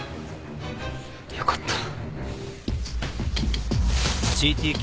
よかった。